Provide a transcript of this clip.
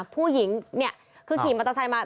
ผู้หญิงเนี่ยคือขี่มัตตาไซด์มา